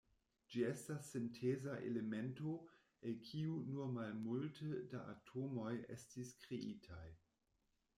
Ĝi estas sinteza elemento, el kiu nur malmulte da atomoj estis kreitaj.